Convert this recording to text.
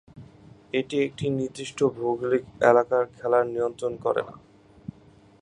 এটি একটি নির্দিষ্ট ভৌগোলিক এলাকার খেলা নিয়ন্ত্রণ করে না।